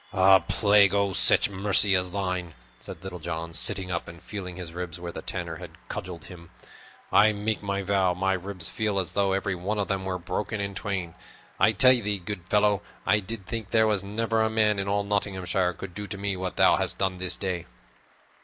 "A plague o' such mercy as thine!" said Little John, sitting up and feeling his ribs where the Tanner had cudgeled him. "I make my vow, my ribs feel as though every one of them were broken in twain. I tell thee, good fellow, I did think there was never a man in all Nottinghamshire could do to me what thou hast done this day."